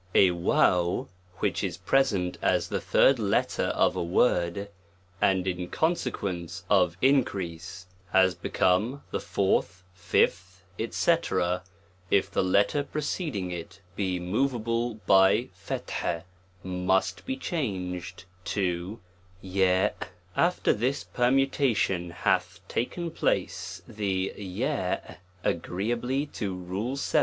A j which is present as the third letter of a word, and in consequence of increase has become the fourth., fifth, &c. if the letter preceding it be move , E 34: JL TREATISE ON THB able by " must be changed to g : after this permu tation hath taken place, the & t agreeably to Rule YH.